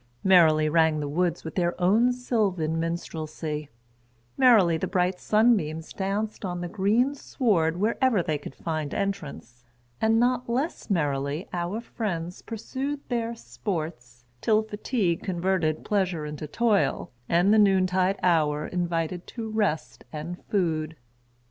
Merrily rang the woods with their own sylvan minstrelsy; merrily the bright sunbeams danced on the green sward wherever they could find entrance; and not less merrily our[Pg 17] friends pursued their sports, till fatigue converted pleasure into toil, and the noontide hour invited to rest and food.